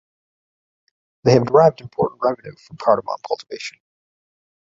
They have derived important revenue from cardamom cultivation.